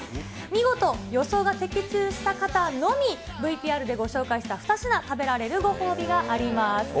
見事、予想が的中した方のみ、ＶＴＲでご紹介した２品食べられるご褒美があります。